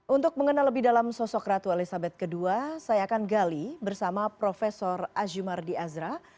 untuk mengenal lebih dalam sosok ratu elizabeth ii saya akan gali bersama prof azumardi azra